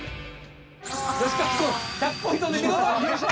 吉川君１００ポイントで見事優勝！